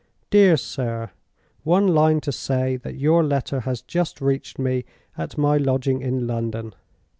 "DEAR SIR, "One line to say that your letter has just reached me at my lodging in London.